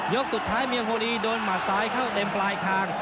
กสุดท้ายเมียงโฮลีโดนหมัดซ้ายเข้าเต็มปลายทาง